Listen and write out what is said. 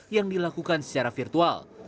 yang dilakukan secara virtual